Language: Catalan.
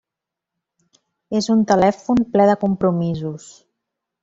És un telèfon ple de compromisos.